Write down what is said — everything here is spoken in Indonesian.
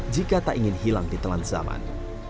jika tak ingin hilang di telan zaman